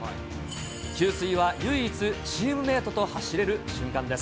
給水は唯一、チームメートと走れる瞬間です。